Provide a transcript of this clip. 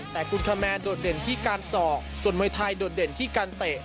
แต่กุลคาแมนโดดเด่นที่การศอกส่วนมวยไทยโดดเด่นที่การเตะ